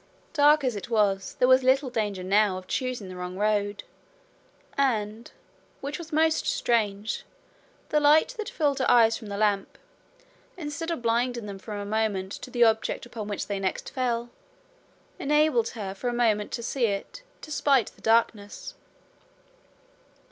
Dark as it was, there was little danger now of choosing the wrong road. And which was most strange the light that filled her eyes from the lamp, instead of blinding them for a moment to the object upon which they next fell, enabled her for a moment to see it, despite the darkness.